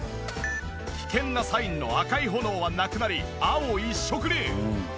危険なサインの赤い炎はなくなり青一色に！